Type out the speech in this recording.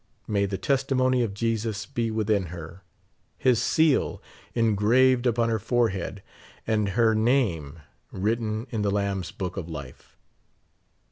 May the testimony of Jesus be within her, his seal engraved upon her forehead, and her name writ ten in the Lamb's book of life.